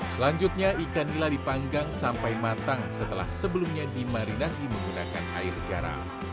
selanjutnya ikan nila dipanggang sampai matang setelah sebelumnya dimarinasi menggunakan air garam